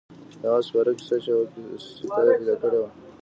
د هغه سپاره کیسه چې یوه سکه يې پیدا کړې وه.